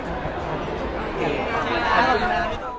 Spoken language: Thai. ของผู้ประกอบเพลง